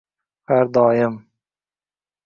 Har doim